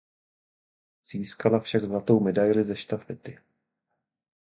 Získala však zlatou medaili ze štafety.